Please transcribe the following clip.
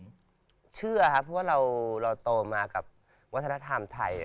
ผมเชื่อครับเพราะว่าเราโตมากับวัฒนธรรมไทย